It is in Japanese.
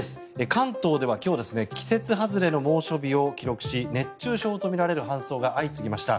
関東では今日季節外れの猛暑日を記録し熱中症とみられる搬送が相次ぎました。